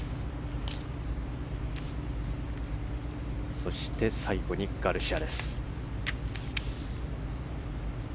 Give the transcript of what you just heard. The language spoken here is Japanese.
そして最後にガルシア。